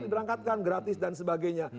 diberangkatkan gratis dan sebagainya